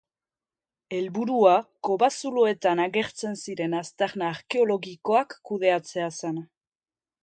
Helburua kobazuloetan agertzen ziren aztarna arkeologikoak kudeatzea zen.